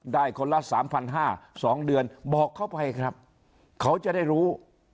ได้คนละสามพันห้าสองเดือนบอกเขาไปครับเขาจะได้รู้